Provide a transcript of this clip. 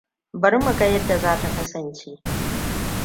Bari mu ga yadda za ta kasance.